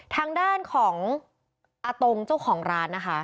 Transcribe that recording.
ทางด้านของอาตงเจ้าของร้านนะคะ